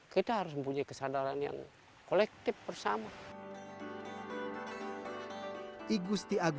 kita harus mempunyai kesadaran yang kolektif bersama